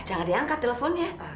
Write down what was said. jangan diangkat teleponnya